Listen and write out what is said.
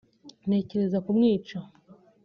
ntekereza kumwica